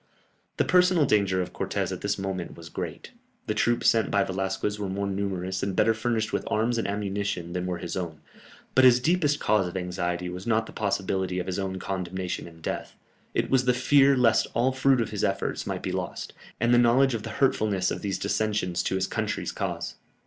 The personal danger of Cortès at this moment was great; the troops sent by Velasquez were more numerous and better furnished with arms and ammunition than were his own, but his deepest cause of anxiety was not the possibility of his own condemnation and death, it was the fear lest all fruit of his efforts might be lost, and the knowledge of the hurtfulness of these dissensions to his country's cause.